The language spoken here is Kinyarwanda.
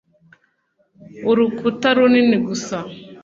urukuta runini gusa.